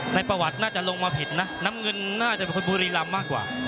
ในประวัติบก็จะลงไว้ผิดนะฝ่ายน้ำเงินอาจจะก็บุรีลำมากกว่า